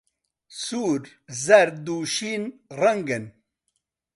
سوور، زەرد، و شین ڕەنگن.